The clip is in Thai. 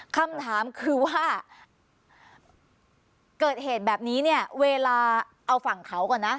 คำถามคือว่าเกิดเหตุแบบนี้เนี่ยเวลาเอาฝั่งเขาก่อนนะ